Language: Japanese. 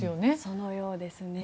そのようですね。